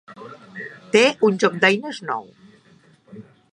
Té un joc d'eines nou.